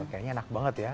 kayaknya enak banget ya